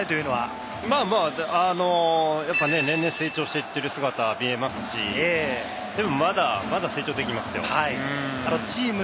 年々成長していっている姿が見えますし、でも、まだまだ成長できますよ。